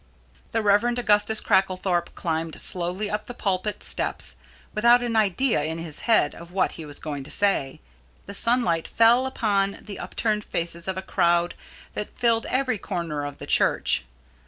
The Rev. Augustus Cracklethorpe climbed slowly up the pulpit steps without an idea in his head of what he was going to say. The sunlight fell upon the upturned faces of a crowd that filled every corner of the church.